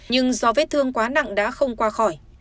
nhưng do vết thương quá nặng đã không qua khỏi